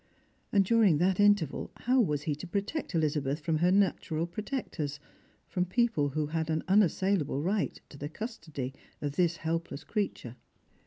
And during that interval how was he to protect Elizabeth fi om her natural protectors — from people who had an unassailable right to the custody of this helpless creature